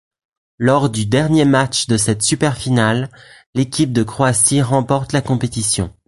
Lors du dernier match de cette super finale, l'équipe de Croatie remporte la compétition.